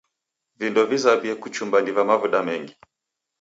Vindo vizamie kuchumba ni va mavuda mengi.